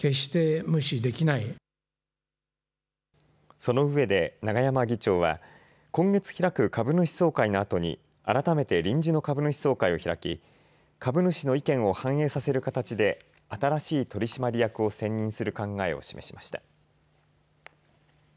そのうえで永山議長は今月開く株主総会のあとに改めて臨時の株主総会を開き株主の意見を反映させる形で新しい取締役を選任する考えを示しました。